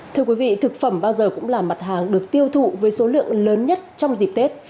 thưa quý vị thực phẩm bao giờ cũng là mặt hàng được tiêu thụ với số lượng lớn nhất trong dịp tết